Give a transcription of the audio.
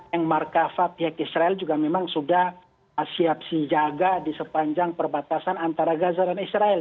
yang markafa pihak israel juga memang sudah siap sijaga di sepanjang perbatasan antara gaza dan israel